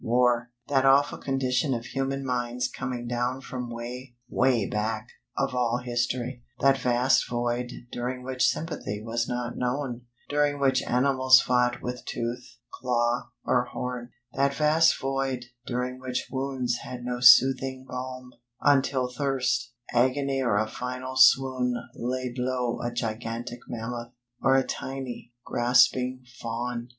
War! That awful condition of human minds coming down from way, way back of all history; that vast void during which sympathy was not known; during which animals fought with tooth, claw or horn; that vast void during which wounds had no soothing balm, until thirst, agony or a final swoon laid low a gigantic mammoth, or a tiny, gasping fawn!